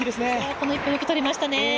この１本よく取りましたね。